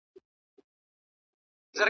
زه به سبا زده کړه کوم؟